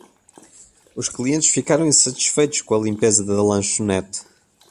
Os clientes ficaram insatisfeitos com a limpeza da lanchonete